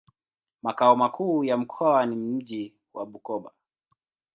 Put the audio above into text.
Makao makuu ya mkoa ni mji wa Bukoba.